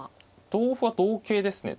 同歩は同桂ですね。